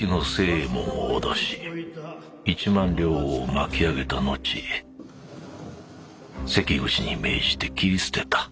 右衛門を脅し１万両を巻き上げた後関口に命じて斬り捨てた。